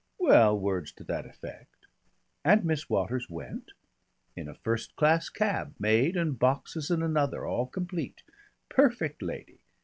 "Well, words to that effect." "And Miss Waters went?" "In a first class cab, maid and boxes in another, all complete. Perfect lady....